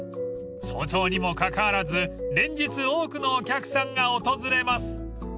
［早朝にもかかわらず連日多くのお客さんが訪れます］